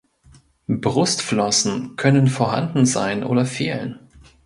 Brustflossen können vorhanden sein oder fehlen.